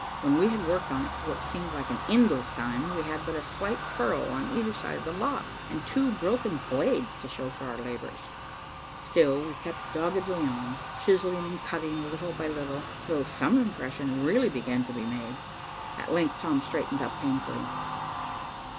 When we had worked on it for what seemed an endless time, we had but a slight furrow on either side of the lock, and two broken blades to show for our labors. Still we kept doggedly on, chiseling and cutting, little by little, till some impression really began to be made. At length Tom straightened up painfully.